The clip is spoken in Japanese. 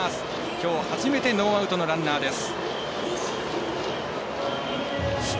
きょう初めてノーアウトのランナーです。